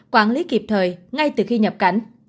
quản lý kịp thời ngay từ khi nhập cảnh